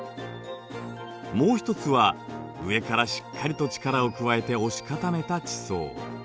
もう一つは上からしっかりと力を加えて押し固めた地層。